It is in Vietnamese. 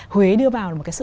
huế đưa vào một cái sự